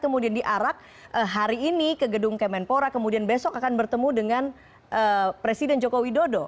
kemudian diarak hari ini ke gedung kemenpora kemudian besok akan bertemu dengan presiden joko widodo